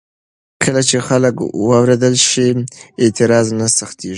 کله چې خلک واورېدل شي، اعتراض نه سختېږي.